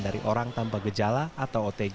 dari orang tanpa gejala atau otg